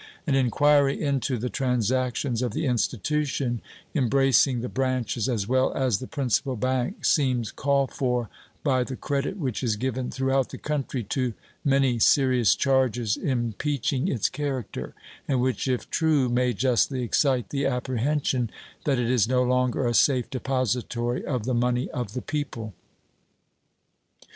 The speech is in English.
An inquiry into the transactions of the institution, embracing the branches as well as the principal bank, seems called for by the credit which is given throughout the country to many serious charges impeaching its character, and which if true may justly excite the apprehension that it is no longer a safe depository of the money of the people.